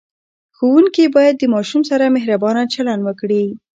ښوونکي باید د ماشوم سره مهربانه چلند وکړي.